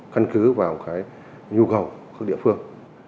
căn cứ vào nhu cầu của các địa phương